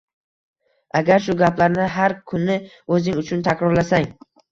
Agar shu gaplarni har kuni o‘zing uchun takrorlasang